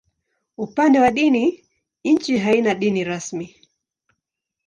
Upande wa dini, nchi haina dini rasmi.